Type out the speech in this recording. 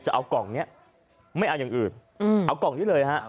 จะเอากล่องนี้ไม่เอาอย่างอื่นเอากล่องนี้เลยฮะ